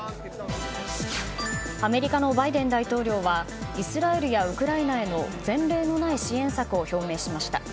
アメリカのバイデン大統領はイスラエルやウクライナへの前例のない支援策を表明しました。